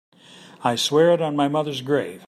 I swear it on my mother's grave.